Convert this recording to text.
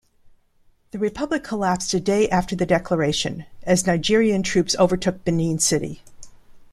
The republic collapsed a day after the declaration as Nigerian troops overtook Benin City.